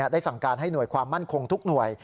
ได้สั่งการให้หน่วยความมั่นคงทุกหน่วย